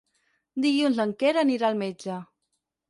Dilluns en Quer anirà al metge.